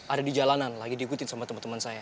ada di jalanan lagi diikutin sama temen temen saya